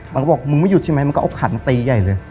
มันก็บอกมึงไม่หยุดใช่ไหมมันก็เอาขันตีใหญ่เลย